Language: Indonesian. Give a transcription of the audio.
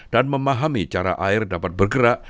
dan memahami cara air dapat bergerak